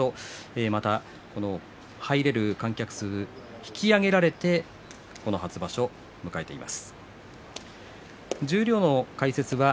また入れる観客数引き上げられてこの初場所、迎えています。